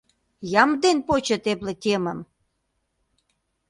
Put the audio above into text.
Ямб ден почыт эпле темым?